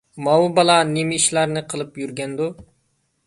ماۋۇ بالا نېمە ئىشلارنى قىلىپ يۈرگەندۇ؟